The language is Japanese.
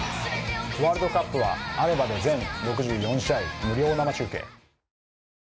ワールドカップはＡＢＥＭＡで全６４試合無料生中継。